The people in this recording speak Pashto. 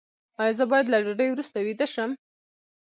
ایا زه باید له ډوډۍ وروسته ویده شم؟